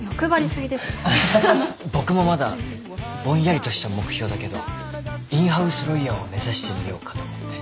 僕もまだぼんやりとした目標だけどインハウスロイヤーを目指してみようかと思って。